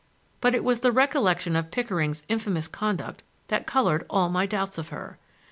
But it was the recollection of Pickering's infamous conduct that colored all my doubts of her.